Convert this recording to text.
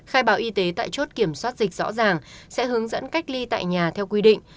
khai báo y tế tại chốt kiểm soát dịch rõ ràng sẽ hướng dẫn cách ly tại nhà theo quy định